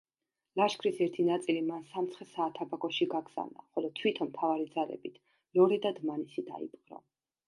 ლაშქრის ერთი ნაწილი მან სამცხე-საათაბაგოში გაგზავნა, ხოლო თვითონ მთავარი ძალებით ლორე და დმანისი დაიპყრო.